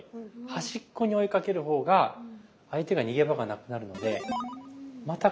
端っこに追いかける方が相手が逃げ場がなくなるのでまた